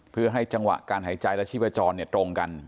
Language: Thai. เพื่อให้จังหวะการหายใจและชีพจรตรงกัน